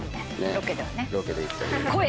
ロケではね。